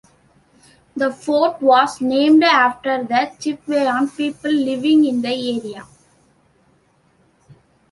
The fort was named after the Chipewyan people living in the area.